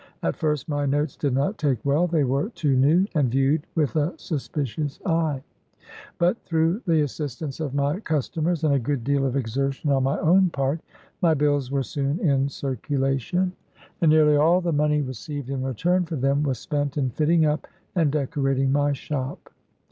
At first, my notes did not. take well; they were too new, and viewed with a suspicious eye. But, through the assistance of my customers, and a good deal of exertion on my own part, my bills were soon in circulation ; AN AMERICAN BONDMAN. 49 and nearly all the money received in return for them was spent in fitting up and decorating my shop.